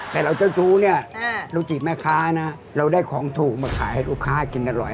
แต่เราเจ้าชู้เนี่ยลูกจิตแม่ค้านะเราได้ของถูกมาขายให้ลูกค้ากินอร่อย